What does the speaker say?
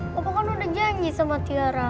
papa kan udah janji sama tiara